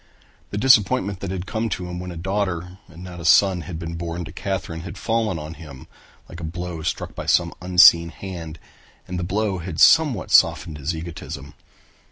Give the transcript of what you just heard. The disappointment that had come to him when a daughter and not a son had been born to Katherine had fallen upon him like a blow struck by some unseen hand and the blow had somewhat softened his egotism.